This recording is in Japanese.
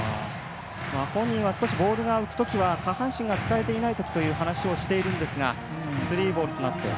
本人は少しボールが浮くときは下半身が使えていないときという話をしているんですがスリーボールとなって。